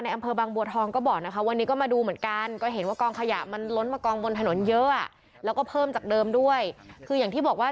อำเภอบางบัวทองก็บอกนะคะวันนี้ก็มาดูเหมือนกันก็เห็นว่ากองขยะมันล้นมากองบนถนนเยอะแล้วก็เพิ่มจากเดิมด้วยคืออย่างที่บอกว่า